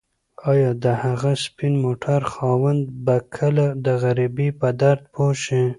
ایا د هغه سپین موټر خاوند به کله د غریبۍ په درد پوه شي؟